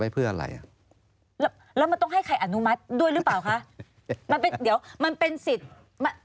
เพราะว่ามันเป็นของลูกเขา